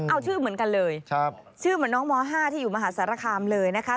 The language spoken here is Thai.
เอาชื่อเหมือนกันเลยชื่อเหมือนน้องม๕ที่อยู่มหาสารคามเลยนะคะ